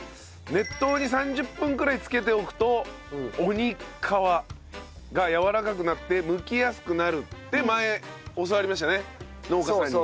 熱湯に３０分くらい漬けておくと鬼皮がやわらかくなってむきやすくなるって前教わりましたね農家さんに。